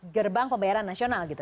gerbang pembayaran nasional gitu